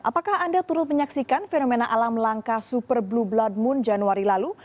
apakah anda turut menyaksikan fenomena alam langka super blue blood moon januari lalu